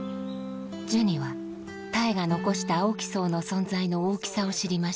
ジュニはたえが残した青木荘の存在の大きさを知りました